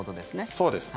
そうです。